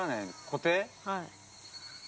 はい。